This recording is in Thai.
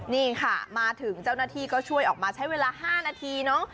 นี่ค่ะมาถึงเจ้าหน้าที่ก็ช่วยออกมาใช้เวลา๕นาทีเนาะ